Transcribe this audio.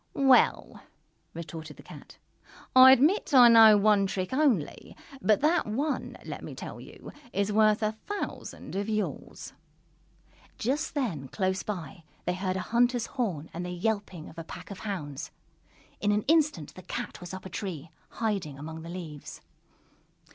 "Well," retorted the Cat, "I admit I know one trick only, but that one, let me tell you, is worth a thousand of yours!" Just then, close by, they heard a hunter's horn and the yelping of a pack of hounds. In an instant the Cat was up a tree, hiding among the leaves.